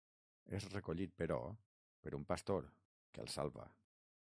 És recollit, però, per un pastor, que el salva.